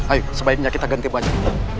ayo sebaiknya kita ganti baju